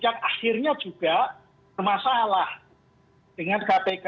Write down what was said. yang akhirnya juga bermasalah dengan kpk